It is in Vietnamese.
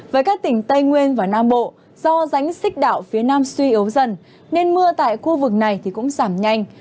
với các tỉnh tây nguyên và nam bộ do rãnh xích đạo phía nam suy yếu dần nên mưa tại khu vực này cũng giảm nhanh